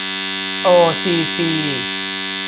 โอ ซี ซี